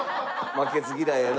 負けず嫌いやな。